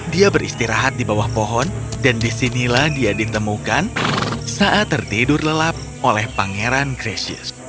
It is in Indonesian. dia beristirahat di bawah pohon dan disinilah dia ditemukan saat tertidur lelap oleh pangeran gracius